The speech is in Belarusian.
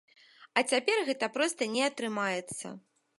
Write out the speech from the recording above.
А цяпер гэта проста не атрымаецца.